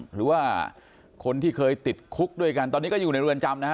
หรือว่าคนที่เคยติดคุกด้วยกันตอนนี้ก็อยู่ในเรือนจำนะฮะ